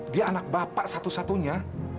dia anak bapak satu satunya